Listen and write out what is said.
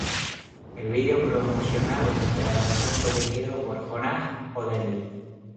El vídeo promocional de la canción fue dirigido por Jonas Odell.